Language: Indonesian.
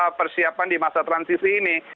setelah persiapkan di masa transisi ini